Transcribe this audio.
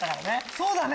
そうだね！